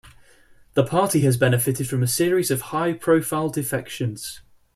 The party has benefited from a series of high-profile defections.